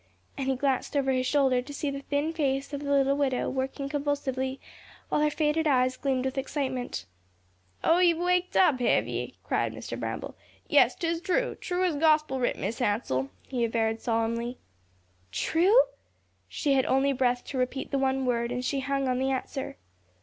and he glanced over his shoulder to see the thin face of the little widow working convulsively, while her faded eyes gleamed with excitement. "Oh, ye've waked up, hev ye?" cried Mr. Bramble. "Yes, 'tis true, true as gospel writ, Mis' Hansell," he averred solemnly. "True?" She had only breath to repeat the one word, and she hung on the answer.